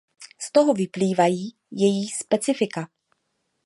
Z toho vyplývají její specifika.